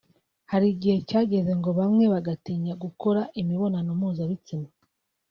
Hari igihe cyageze ngo bamwe bagatinya gukora imibonano mpuzabitsina